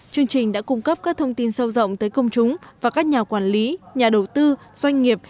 chương trình đã cung cấp các thông tin sâu rộng tới công chúng và các nhà quản lý nhà đầu tư doanh nghiệp